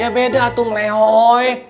ya beda tung lehoi